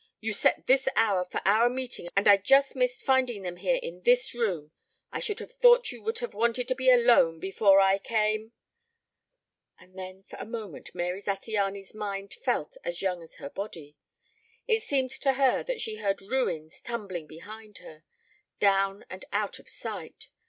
"You set this hour for our meeting and I just missed finding them here in this room. I should have thought you would have wanted to be alone before I came " And then for a moment Mary Zattiany's mind felt as young as her body. It seemed to her that she heard ruins tumbling behind her, down and out of sight.